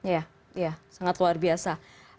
ya ya sangat luar biasa